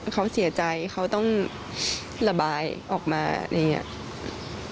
เขาเสียใจเขาต้องระบายออกมาอะไรอย่างนี้